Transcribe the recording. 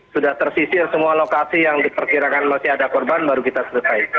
sudah tersisir semua lokasi yang diperkirakan masih ada korban baru kita selesai